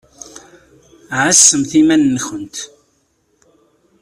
Ɛassemt iman-nkent.